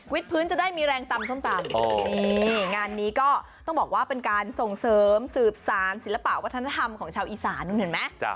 พื้นจะได้มีแรงตำส้มตำนี่งานนี้ก็ต้องบอกว่าเป็นการส่งเสริมสืบสารศิลปะวัฒนธรรมของชาวอีสานเห็นไหม